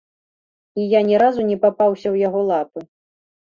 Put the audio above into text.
І я ні разу не папаўся ў яго лапы.